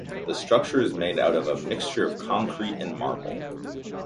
The structure is made out of a mixture of concrete and marble.